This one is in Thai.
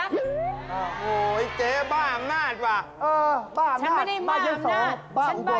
โอ้โฮอิเจ๊บ้าอำนาจวะ